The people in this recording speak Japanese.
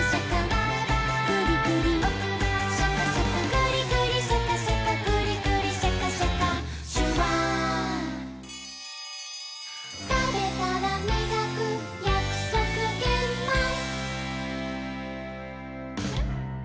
「グリグリシャカシャカグリグリシャカシャカ」「シュワー」「たべたらみがくやくそくげんまん」